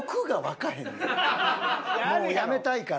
もうやめたいから。